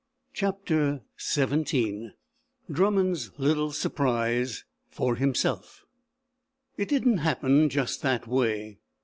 CHAPTER XVII DRUMMOND'S LITTLE SURPRISE FOR HIMSELF It didn't happen just that way.